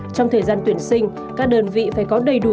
trong thời gian tuyển sinh các đơn vị phải có đầy đủ